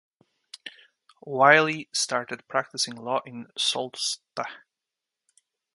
Wiley started practicing law in Sault Ste.